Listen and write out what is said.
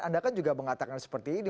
anda kan juga mengatakan seperti ini